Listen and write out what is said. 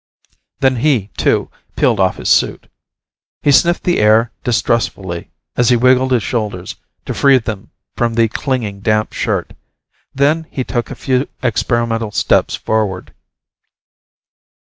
Then he, too, peeled off his suit. He sniffed the air distrustfully, as he wiggled his shoulders to free them from the clinging, damp shirt. Then he took a few experimental steps forward.